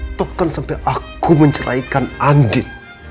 setopkan sampai aku menceraikan andin